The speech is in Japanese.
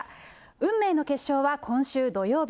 運命の決勝は今週土曜日。